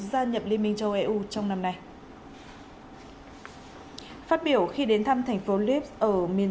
gia nhập liên minh châu âu trong năm nay phát biểu khi đến thăm thành phố lviv ở miền